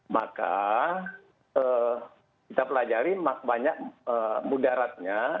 maka kita pelajari banyak mudaratnya